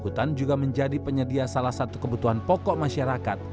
hutan juga menjadi penyedia salah satu kebutuhan pokok masyarakat